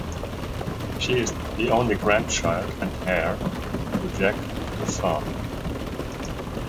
She is the only grandchild and heir to Jacques Dauphin.